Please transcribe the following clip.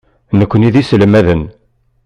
Nekni d iselmaden.